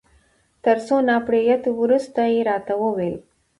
تر څو نا پړيتو وروسته يې راته وویل.